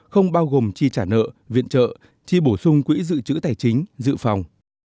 không bao gồm chi trả nợ viện trợ chi bổ sung quỹ dự trữ tài chính dự phòng